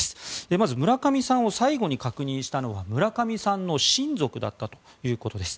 まず、村上さんを最後に確認したのは村上さんの親族だったということです。